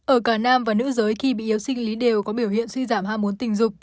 ở cả nam và nữ giới khi bị yếu sinh lý đều có biểu hiện suy giảm ham muốn tình dục